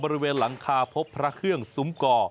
บริเวณหลังคาพบพระเครื่องซุ้มก่อ